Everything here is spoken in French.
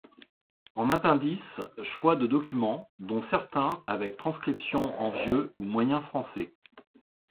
En appendice, choix de documents, dont certains avec transcription en vieux ou moyen français.